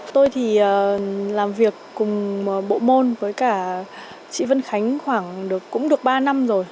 tôi thì làm việc cùng bộ môn với cả chị vân khánh khoảng cũng được ba năm rồi